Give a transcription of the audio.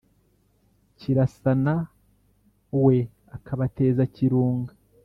kirasana we akabateza kirunga,